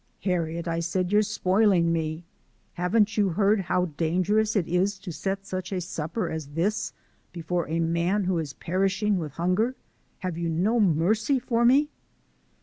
"Harriet," I said, "you're spoiling me. Haven't you heard how dangerous it is to set such a supper as this before a man who is perishing with hunger? Have you no mercy for me?"